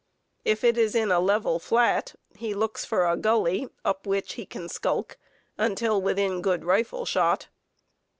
If it is in a level "flat," he looks for a gully up which he can skulk until within good rifle shot.